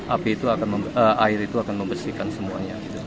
air itu akan membersihkan semuanya